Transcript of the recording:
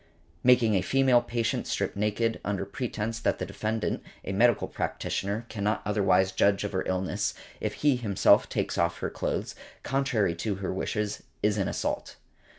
Making a female patient strip naked, under pretence that the defendant, a medical practitioner, cannot otherwise judge of her illness, if he himself takes off her clothes, contrary to her wishes, is an assault.